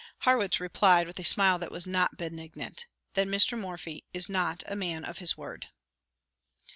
Harrwitz replied, with a smile that was not benignant, "Then Mr. Morphy is not a man of his word."